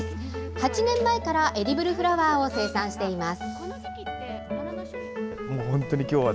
８年前からエディブルフラワーを生産しています。